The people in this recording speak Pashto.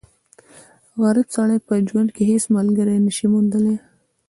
غریب سړی په ژوند کښي هيڅ ملګری نه سي موندلای.